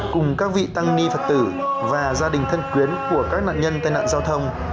cùng các vị tăng ni phật tử và gia đình thân quyến của các nạn nhân tai nạn giao thông